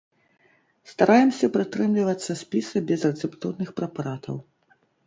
Стараемся прытрымлівацца спіса безрэцэптурных прэпаратаў.